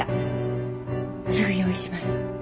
すぐ用意します。